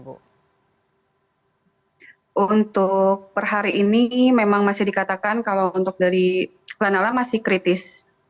untuk per hari ini memang masih dikatakan kalau untuk dari lanala masih kritis